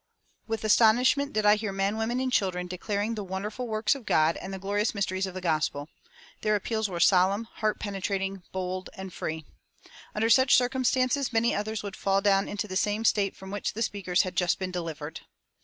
With astonishment did I hear men, women, and children declaring the wonderful works of God and the glorious mysteries of the gospel. Their appeals were solemn, heart penetrating, bold, and free. Under such circumstances many others would fall down into the same state from which the speakers had just been delivered.